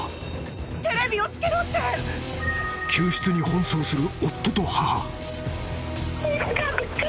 ［救出に奔走する夫と母］